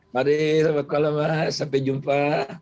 mari selamat malam mas sampai jumpa